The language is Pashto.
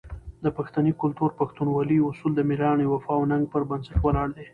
د پښتني کلتور "پښتونولي" اصول د مېړانې، وفا او ننګ پر بنسټ ولاړ دي.